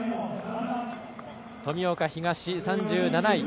富岡東、３７位。